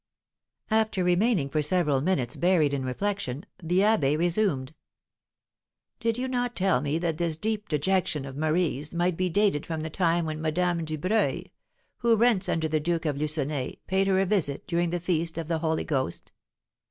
After remaining for several minutes buried in reflection, the abbé resumed: "Did you not tell me that this deep dejection of Marie's might be dated from the time when Madame Dubreuil, who rents under the Duke de Lucenay, paid her a visit during the feast of the Holy Ghost?"